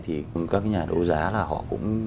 thì các nhà đô giá là họ cũng